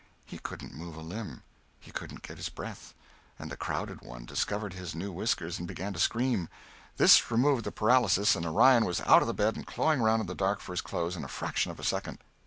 He couldn't move a limb; he couldn't get his breath; and the crowded one discovered his new whiskers and began to scream. This removed the paralysis, and Orion was out of bed and clawing round in the dark for his clothes in a fraction of a second.